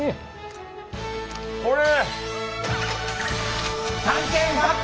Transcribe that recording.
これ！